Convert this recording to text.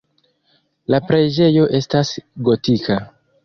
La preĝejo estas gotika.